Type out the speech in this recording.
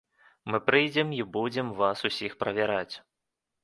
Мы прыйдзем і будзем вас усіх правяраць.